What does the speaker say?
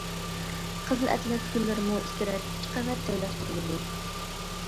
قىزىل ئەتلەس گۈللىرىمۇ ئىككى رەت، ئۈچ قەۋەت جايلاشتۇرۇلىدۇ.